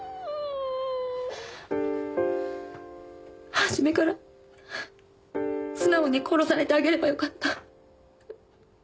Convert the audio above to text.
初めから素直に殺されてあげればよかった。